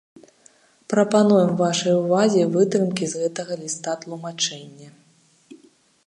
Прапануем вашай увазе вытрымкі з гэтага ліста-тлумачэння.